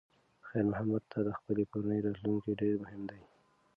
خیر محمد ته د خپلې کورنۍ راتلونکی ډېر مهم دی.